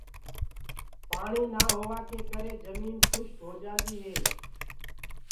پآڻي نآ هوآ ڪي ڪري جميٚن کُشڪ هوجآندي هي۔